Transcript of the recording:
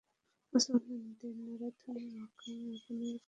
মুসলমানদের নারাধ্বনি ও আক্রমণ আগুনের গোলা হয়ে তাদের উপর পতিত হতে থাকে।